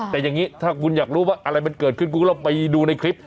แต่อย่างนี้ถ้าคุณอยากรู้ว่าอะไรมันเกิดขึ้นคุณก็ลองไปดูในคลิป